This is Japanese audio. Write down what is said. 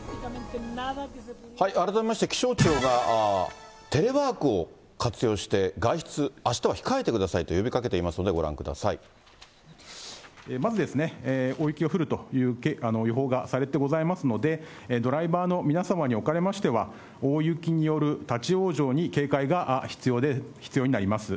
改めまして、気象庁がテレワークを活用して、外出、あしたは控えてくださいと呼びかけていますので、まず、大雪が降るという予報がされてございますので、ドライバーの皆様におかれましては、大雪による立往生に警戒が必要で、必要になります。